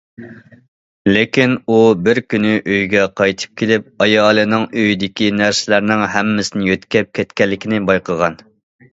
لېكىن ئۇ بىر كۈنى ئۆيگە قايتىپ كېلىپ، ئايالىنىڭ ئۆيىدىكى نەرسىلەرنىڭ ھەممىسىنى يۆتكەپ كەتكەنلىكىنى بايقىغان.